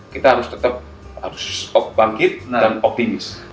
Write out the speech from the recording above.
kita harus tetap harus bangkit dan optimis